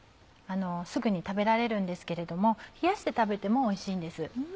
すぐに食べられるんですけれども冷やして食べてもおいしいんです。